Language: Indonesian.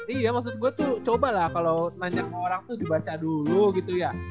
iya maksud gue tuh coba lah kalau nanya sama orang tuh dibaca dulu gitu ya